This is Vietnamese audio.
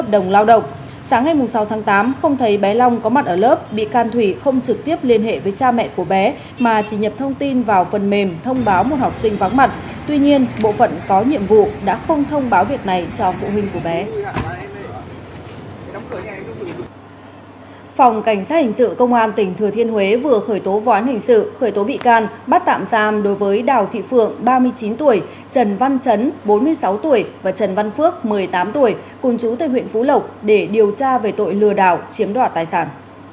phòng cảnh sát hình sự công an tỉnh thừa thiên huế vừa khởi tố või hình sự khởi tố bị can bắt tạm giam đối với đào thị phượng ba mươi chín tuổi trần văn trấn bốn mươi sáu tuổi và trần văn phước một mươi tám tuổi cùng chú tây nguyện phú lộc để điều tra về tội lừa đảo chiếm đoạt tài sản